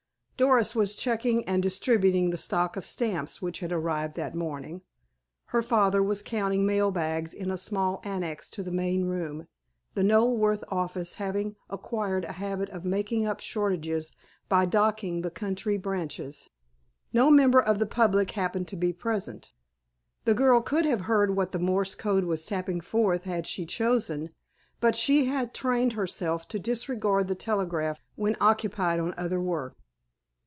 Doris was checking and distributing the stock of stamps which had arrived that morning; her father was counting mail bags in a small annex to the main room, the Knoleworth office having acquired a habit of making up shortages by docking the country branches. No member of the public happened to be present. The girl could have heard what the Morse code was tapping forth had she chosen, but she had trained herself to disregard the telegraph when occupied on other work.